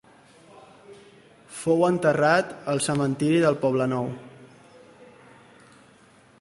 Fou enterrat al Cementiri del Poblenou.